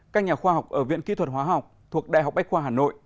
các nhà khoa học ở viện kỹ thuật hóa học thuộc đại học bách khoa hà nội